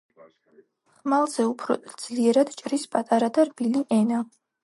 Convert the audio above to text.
ხმალზე უფრო ძლიერად ჭრის პატარა და რბილი ენა